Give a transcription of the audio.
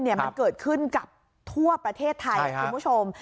มันเกิดขึ้นกับทั่วประเทศไทยคุณผู้ชม